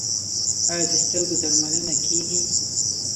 آیا د سترګو درملنه کیږي؟